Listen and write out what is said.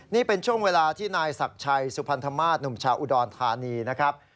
นี่เป็นช่วงเวลาที่นายศักดิ์ชัยสุพรรณฑมาสหนุ่มชาวอุดรธานีนะครับ